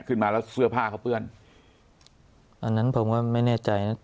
ขึ้นมาแล้วเสื้อผ้าเขาเปื้อนอันนั้นผมก็ไม่แน่ใจนะ